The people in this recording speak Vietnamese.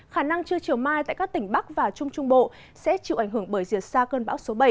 khả năng trưa chiều mai tại các tỉnh bắc và trung trung bộ sẽ chịu ảnh hưởng bởi diệt xa cơn bão số bảy